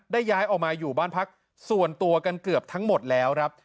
ย้ายออกมาอยู่บ้านพักส่วนตัวกันเกือบทั้งหมดแล้วครับ